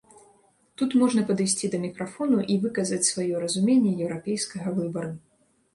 Тут можна падысці да мікрафону і выказаць сваё разуменне еўрапейскага выбару.